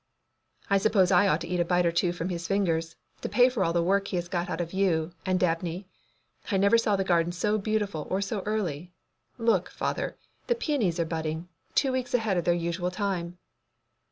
"I suppose I ought to eat a bite or two from his fingers to pay for all the work he has got out of you and Dabney. I never saw the garden so beautiful or so early. Look, father, the peonies are budding, two weeks ahead of their usual time!"